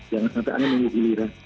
jangan sampai anda menghijirirah